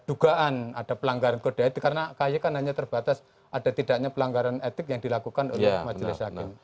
dugaan ada pelanggaran kode etik karena kay kan hanya terbatas ada tidaknya pelanggaran etik yang dilakukan oleh majelis hakim